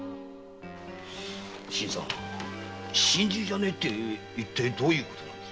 心中じゃねえって一体どういうことなんです？